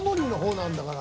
なっだから。